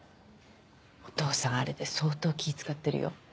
お父さんあれで相当気使ってるよ。